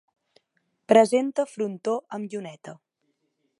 Presenta frontó amb lluneta.